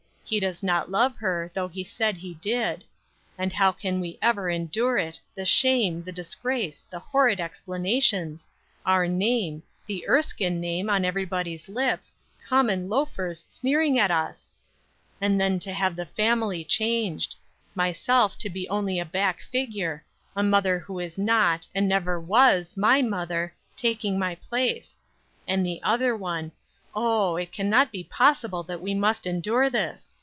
He does not love her, though he said he did. And how can we ever endure it, the shame, the disgrace, the horrid explanations, our name, the Erskine name, on everybody's lips, common loafers sneering at us? And then to have the family changed; myself to be only a back figure; a mother who is not, and never was my mother, taking my place; and the other one Oh, it can not be possible that we must endure this!